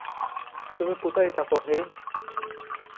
তুমি কোথায় থাকো, হেই?